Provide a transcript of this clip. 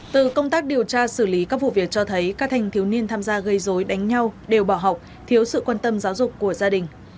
từ công tác điều tra xử lý các vụ việc cho thấy các thanh thiếu niên tham gia gây dối đánh nhau đều bỏ học thiếu sự quan tâm giáo dục của gia đình